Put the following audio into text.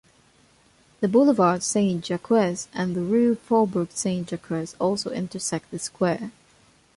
The "Boulevard Saint-Jacques" and the "Rue Faubourg Saint-Jacques" also intersect the square.